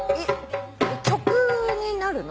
曲になるの？